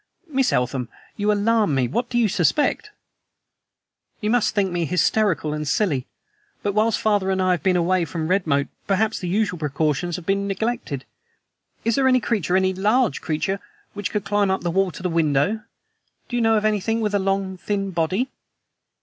"Miss Eltham, you alarm me. What do you suspect?" "You must think me hysterical and silly, but whilst father and I have been away from Redmoat perhaps the usual precautions have been neglected. Is there any creature, any large creature, which could climb up the wall to the window? Do you know of anything with a long, thin body?"